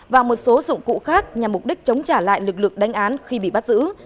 và một số dụng cụ khác nhằm mục đích chống trả lại lực lượng đánh án khi bị bắt giữ